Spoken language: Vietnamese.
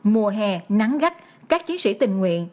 mùa hè nắng gắt các chiến sĩ tình nguyện